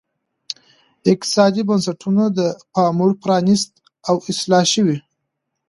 اقتصادي بنسټونه د پاموړ پرانیست او اصلاح شوي.